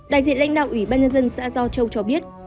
đại diện lãnh đạo ủy ban nhân dân xã do châu cho biết